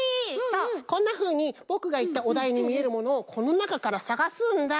そうこんなふうにぼくがいったおだいにみえるものをこのなかからさがすんだ。